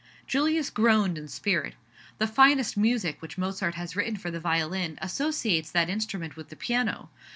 Julius groaned in spirit. The finest music which Mozart has written for the violin associates that instrument with the piano.